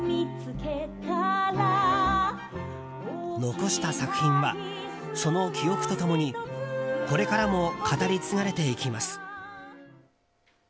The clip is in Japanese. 残した作品は、その記憶と共にこれからも語り継がれていきます。